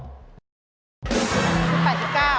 เฮ้ยไม่เป็นไรเจ้าอ่ะ